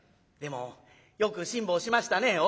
でもよく辛抱しましたね」。